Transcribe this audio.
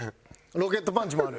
ロケットパンチもある。